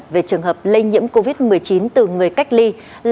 về trường hợp lây nhiễm covid một mươi chín từ người cách ly